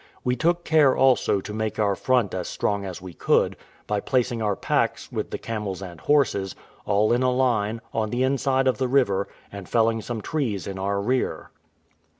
We took care also to make our front as strong as we could, by placing our packs, with the camels and horses, all in a line, on the inside of the river, and felling some trees in our rear.